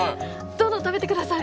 どんどん食べてください。